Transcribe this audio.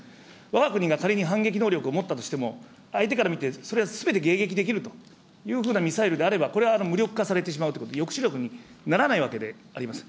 わが国が仮に反撃能力を持ったとしても、相手から見て、それはすべて迎撃できるというふうなミサイルであれば、これは無力化されてしまうと、抑止力にならないわけであります。